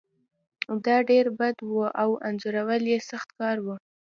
دا ډیر بد و او انځورول یې سخت کار و